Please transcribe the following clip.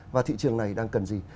và thị trường này đang cần gì